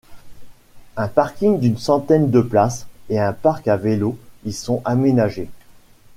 Un parking d'une centaine de places et un parc à vélo y sont aménagés.